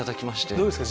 どうですか？